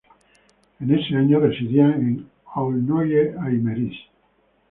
En ese año residían en Aulnoye-Aymeries.